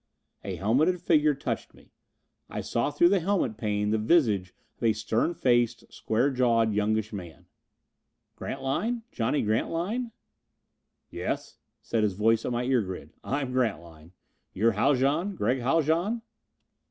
A helmeted figure touched me. I saw through the helmet pane the visage of a stern faced, square jawed, youngish man. "Grantline? Johnny Grantline?" "Yes," said his voice at my ear grid. "I'm Grantline. You're Haljan? Gregg Haljan?"